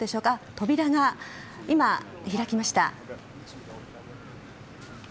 扉が今開きました。